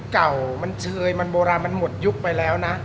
เก่ามันเชยมันโบราณมันหมดยุคไปแล้วนะ